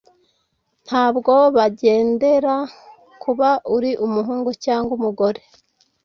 Ntabwo bagendera kuba uri umuhungu cyangwa umugore